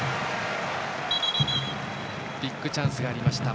ビッグチャンスがありました